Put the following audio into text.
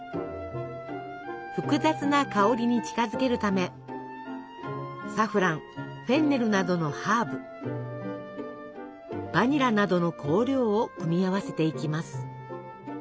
複雑な香りに近づけるためサフランフェンネルなどのハーブバニラなどの香料を組み合わせていきます。